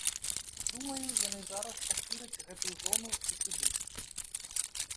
Думаю, яны зараз пашыраць гэтую зону і сыдуць.